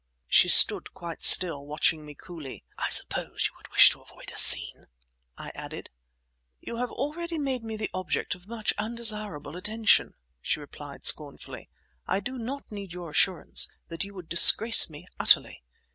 She stood quite still, watching me coolly. "I suppose you would wish to avoid a scene?" I added. "You have already made me the object of much undesirable attention," she replied scornfully. "I do not need your assurance that you would disgrace me utterly!